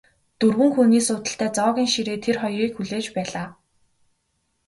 Дөрвөн хүний суудалтай зоогийн ширээ тэр хоёрыг хүлээж байлаа.